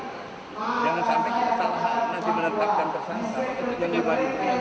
jangan sampai kita salah nanti menetapkan tersangka